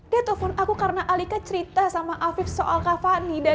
dia telpon aku karena alika cerita sama afif soal kavani